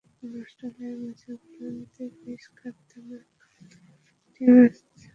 Australia ম্যাচের ক্লান্তির রেশ কাটতে না-কাটতেই আরেকটি ম্যাচে নামাটা ছিল কঠিন।